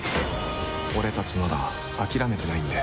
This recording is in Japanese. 俺たちまだ諦めてないんで。